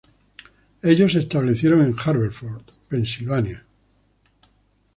Ellos se establecieron en Haverford, Pensilvania.